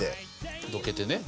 どけてね。